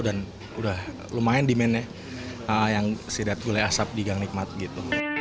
dan sudah lumayan demandnya yang sidat gulai asap di gang nikmat